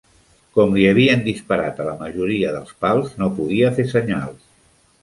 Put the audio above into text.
Como li havien disparat a la majoria dels pals, no podia fer senyals.